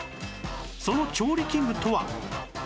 その調理器具とは？